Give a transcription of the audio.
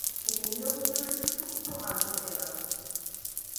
এটি নিরক্ষীয় শুষ্ক উপ-আর্দ্র এলাকা।